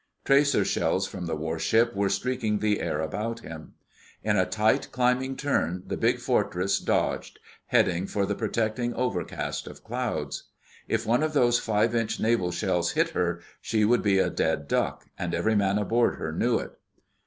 Tracer shells from the warship were streaking the air about him. In a tight climbing turn the big Fortress dodged, heading for the protecting overcast of clouds. If one of those five inch naval shells hit her, she would be a dead duck, and every man aboard her knew it.